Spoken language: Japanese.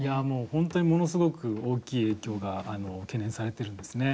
本当にものすごく大きい影響が懸念されているんですね。